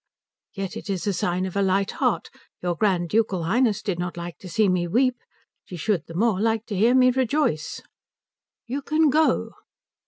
"Yet it is a sign of a light heart. Your Grand Ducal Highness did not like to see me weep she should the more like to hear me rejoice." "You can go."